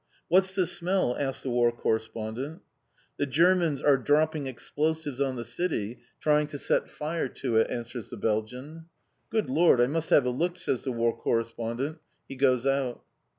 "What's the smell?" asks the War Correspondent. "The Germans are dropping explosives on the city, trying to set fire to it," answers the Belgian. "Good lor, I must have a look!" says the War Correspondent. He goes out.